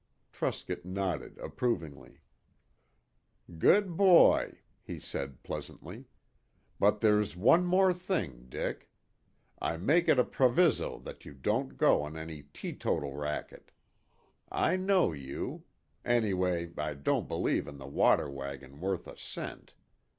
Truscott nodded approvingly. "Good boy," he said pleasantly. "But there's one thing more, Dick. I make it a proviso you don't go on any teetotal racket. I know you. Anyway, I don't believe in the water wagon worth a cent.